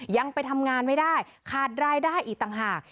ยังไปทำงานไม่ได้ขาดรายได้อีกต่างหาก